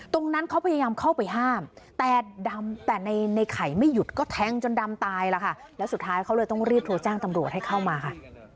ตรงนั้นเขาพยายามเข้าไปห้ามแต่ดำแต่ในไข่ไม่หยุดก็แทงจนดำตายแล้วค่ะแล้วสุดท้ายเขาเลยต้องรีบโทรแจ้งตำรวจให้เข้ามาค่ะ